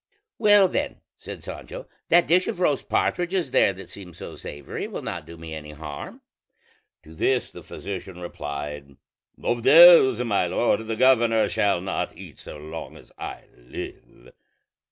"Well then," said Sancho, "that dish of roast partridges there that seems so savory will not do me any harm." To this the physician replied, "Of those my lord the governor shall not eat so long as I live."